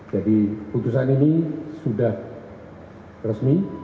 jadi putusan ini sudah resmi